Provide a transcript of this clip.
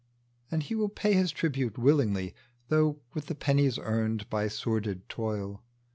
And he will pay his tribute willingly. Though with the pennies earned by sordid toil.